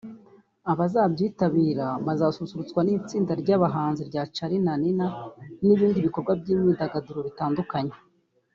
Abazabyitabira bazanasusurutswa n’itsinda ry’abahanzi rya Charly na Nina n’ibindi bikorwa by’imyidagaduro bitandukanye